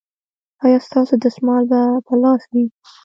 ایا ستاسو دستمال به په لاس وي؟